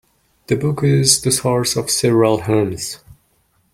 The book is the source for several hymns.